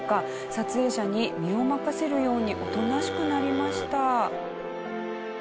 撮影者に身を任せるようにおとなしくなりました。